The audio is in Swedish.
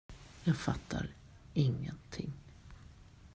Jag fattar ingenting.